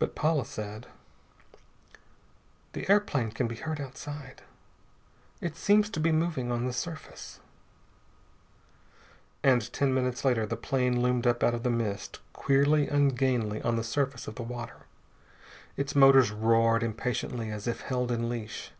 But Paula said: "The airplane can be heard outside. It seems to be moving on the surface." And ten minutes later the plane loomed up out of the mist, queerly ungainly on the surface of the water. Its motors roared impatiently as if held in leash.